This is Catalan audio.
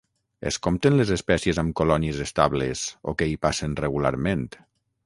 Es compten les espècies amb colònies estables o que hi passen regularment.